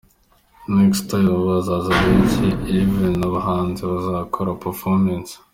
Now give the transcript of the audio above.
Next time bazaza benshi even abahanzi bazakora performance".